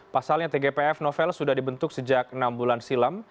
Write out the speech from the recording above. pasalnya tgpf novel sudah dibentuk sejak enam bulan silam